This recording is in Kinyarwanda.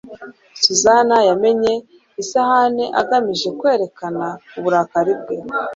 susan yamennye isahani agamije kwerekana uburakari bwe